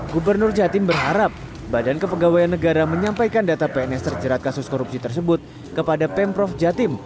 gubernur jatim berharap badan kepegawaian negara menyampaikan data pns terjerat kasus korupsi tersebut kepada pemprov jatim